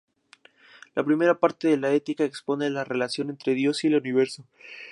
La primera parte de la Ética expone la relación entre Dios y el universo.